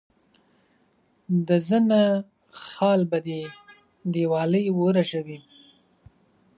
د زنه خال به دي دیوالۍ ورژوي.